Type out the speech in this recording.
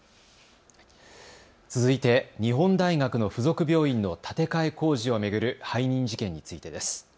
続いて日本大学の付属病院の建て替え工事を巡る背任事件についてです。